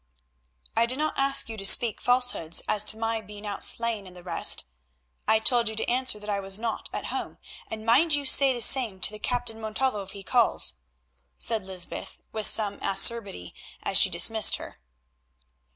"I did not ask you to speak falsehoods as to my being out sleighing and the rest. I told you to answer that I was not at home, and mind you say the same to the Captain Montalvo if he calls," said Lysbeth with some acerbity as she dismissed her.